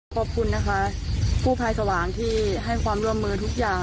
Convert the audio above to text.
ขอบคุณนะคะกู้ภัยสว่างที่ให้ความร่วมมือทุกอย่าง